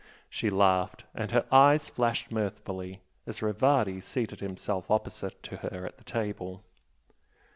She laughed, and her eyes flashed mirthfully as Rivardi seated himself opposite to her at table.